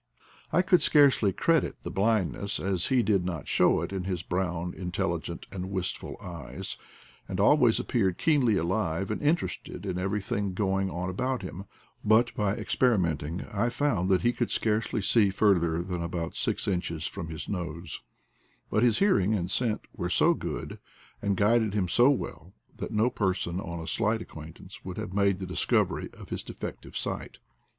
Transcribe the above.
I could scarcely credit the blindness, as he did not show it in his brown intelligent and wistful eyes, and always appeared keenly alive and inter ested in everything going on about him; but by experimenting I found that he could scarcely see A DOG IN EXILE 61 farther than about six inches from his nose; but his hearing and scent were so good, and guided him so well, that no person on a slight acquaint ance would have made the discovery of his de fective sight.